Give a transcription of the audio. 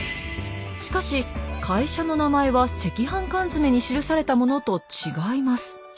しかし会社の名前は赤飯缶詰に記されたものと違います。